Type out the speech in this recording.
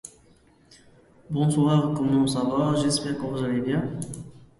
It stars Peter Coyote, O-Lan Jones, and Danny Glover.